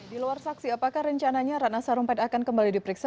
di luar saksi apakah rencananya ratna sarumpait akan kembali diperiksa